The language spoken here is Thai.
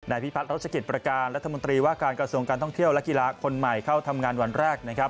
พิพัฒนรัชกิจประการรัฐมนตรีว่าการกระทรวงการท่องเที่ยวและกีฬาคนใหม่เข้าทำงานวันแรกนะครับ